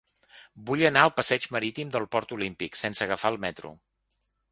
Vull anar al passeig Marítim del Port Olímpic sense agafar el metro.